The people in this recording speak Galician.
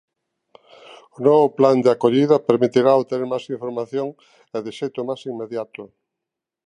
O novo plan de acollida permitirá obter máis información e de xeito máis inmediato.